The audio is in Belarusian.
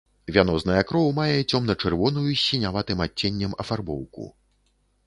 Вянозная кроў мае цёмна-чырвоную з сіняватым адценнем афарбоўку.